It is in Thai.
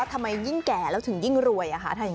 ทำไมยิ่งแก่แล้วถึงยิ่งรวย